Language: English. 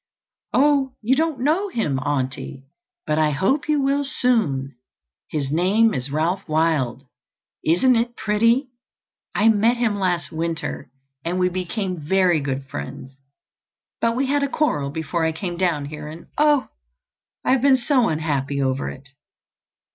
"Oh, you don't know him, Auntie, but I hope you will soon. His name is Ralph Wylde. Isn't it pretty? I met him last winter, and we became very good friends. But we had a quarrel before I came down here and, oh, I have been so unhappy over it.